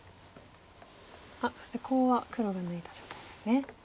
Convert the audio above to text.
そしてコウは黒が抜いた状態ですね。